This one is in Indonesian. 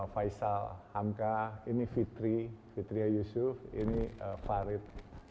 faisal hamka ini fitri fitriah yusuf ini farid